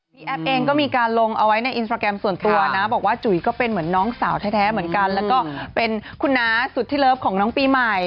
แอฟเองก็มีการลงเอาไว้ในอินสตราแกรมส่วนตัวนะบอกว่าจุ๋ยก็เป็นเหมือนน้องสาวแท้เหมือนกันแล้วก็เป็นคุณน้าสุดที่เลิฟของน้องปีใหม่